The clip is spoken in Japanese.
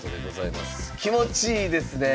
気持ちいいですねえ。